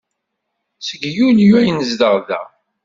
Seg Yulyu ay nezdeɣ da.